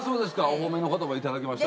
お褒めの言葉いただきまして。